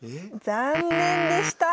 残念でした！